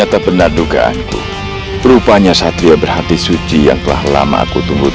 ibu priaario lich naik ke pextat biachinchangkung ini